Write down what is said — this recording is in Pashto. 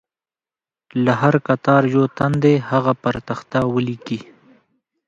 له هر کتار یو تن دې هغه پر تخته ولیکي.